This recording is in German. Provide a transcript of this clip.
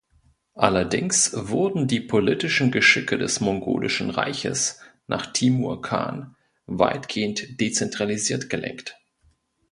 Allerdings wurden die politischen Geschicke des Mongolischen Reiches nach Timur Khan weitgehend dezentralisiert gelenkt.